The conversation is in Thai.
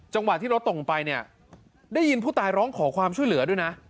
จังหวะที่รถตกลงไปเนี่ยได้ยินผู้ตายร้องขอความช่วยเหลือด้วยนะ